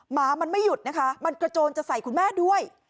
หมามันไม่หยุดนะคะมันกระโจนจะใส่คุณแม่ด้วย